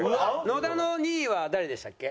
野田の２位は誰でしたっけ？